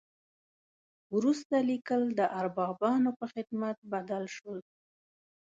وروسته لیکل د اربابانو په خدمت بدل شول.